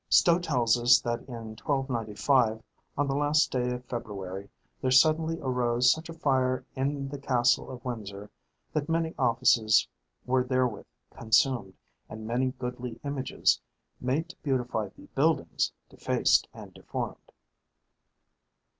Stow tells us that in 1295, on the last day of February, there suddenly arose such a fire in the castle of Windsor that many offices were therewith consumed, and many goodly images, made to beautify the buildings, defaced and deformed.